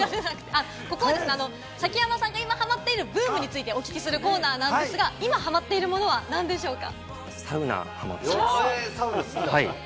崎山さんが今ハマっているブームについてお聞きするコーナーですが、今ハマってるのは何でしょうか？